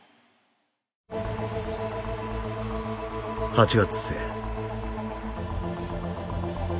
８月末。